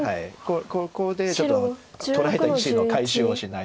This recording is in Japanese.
ここでちょっと取られた石の回収をしないと。